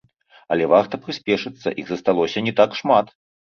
Але варта прыспешыцца, іх засталося не так шмат.